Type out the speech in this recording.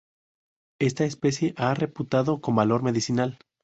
Esta especie ha reputado con valor medicinal.